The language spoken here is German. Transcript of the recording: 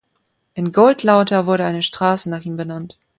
In Goldlauter wurde eine Straße nach ihm benannt.